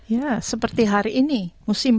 ya seperti hari ini musim